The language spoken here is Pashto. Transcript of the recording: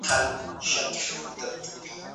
موږ بايد د خلګو عقايدو ته درناوی ولرو.